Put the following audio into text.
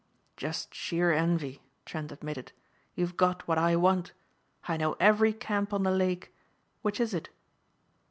"Just sheer envy," Trent admitted, "you've got what I want. I know every camp on the Lake. Which is it?"